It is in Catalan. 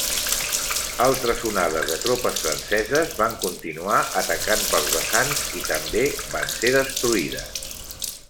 Altres onades de tropes franceses van continuar atacant pels vessants i també van ser destruïdes.